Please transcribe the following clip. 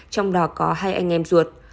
trong đó có hai anh em ruột